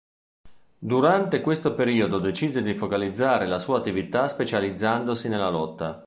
Durante questo periodo decise di focalizzare la sua attività specializzandosi nella lotta.